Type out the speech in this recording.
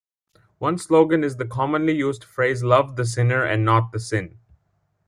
One slogan is the commonly used phrase love the sinner and not the sin.